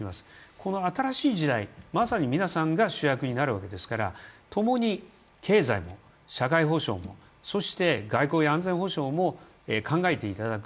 この新しい時代はまさに皆さんが主役になるわけですからともに経済も社会保障も、そして外交や安全保障も考えていただく